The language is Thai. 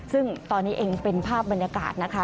ซึ่งตอนนี้เองเป็นภาพบรรยากาศนะคะ